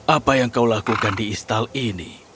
apa yang kau lakukan di istal ini